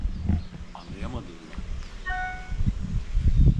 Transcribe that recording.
Anlayamadın mı?